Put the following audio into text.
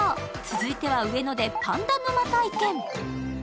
続いては上野でパンダ沼体験。